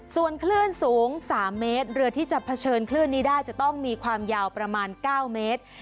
ส่วนคลื่นสูง๓เมตรเรือที่จะเผชิญคลื่นนี้ได้จะต้องมีความยาวประมาณ๙เมตร